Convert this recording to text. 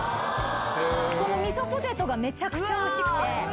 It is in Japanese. このみそポテトがめちゃくちゃおいしくて。